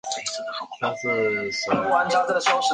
后来才知道这本书已经绝版